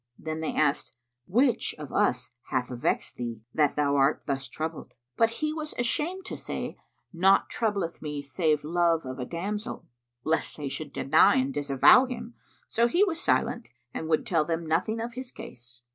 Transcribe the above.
Then they asked, "Which of us hath vexed thee, that thou art thus troubled?" But he was ashamed to say, "Naught troubleth me save love of a damsel," lest they should deny and disavow him: so he was silent and would tell them nothing of his case.